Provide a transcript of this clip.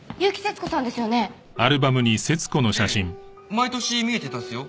毎年見えてたっすよ。